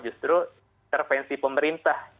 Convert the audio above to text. justru intervensi pemerintah